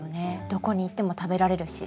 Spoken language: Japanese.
どこに行っても食べられるし。